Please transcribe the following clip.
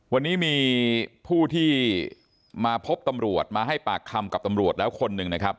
วันนี้มีผู้ที่มาพบตำรวจมาให้ปากคำกับตำรวจแล้วคนหนึ่งนะครับ